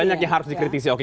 banyak yang harus dikritisi oke